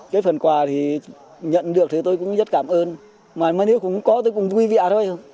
cái phần quà thì nhận được thì tôi cũng rất cảm ơn mà nếu cũng có tôi cũng vui vẻ thôi